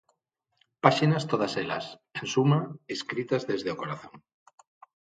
Páxinas todas elas, en suma, escritas desde o corazón.